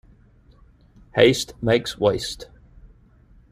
Haste makes waste.